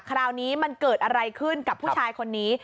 คราวนี้มันเกิดอะไรขึ้นกับผู้ชายคนนี้